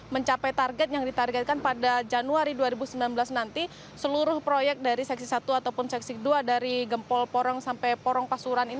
mencapai target yang ditargetkan pada januari dua ribu sembilan belas nanti seluruh proyek dari seksi satu ataupun seksi dua dari gempol porong sampai porong pasuruan ini